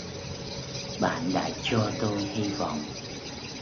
bạn đã cho tôi hi vọng